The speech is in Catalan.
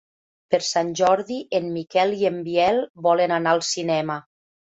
Per Sant Jordi en Miquel i en Biel volen anar al cinema.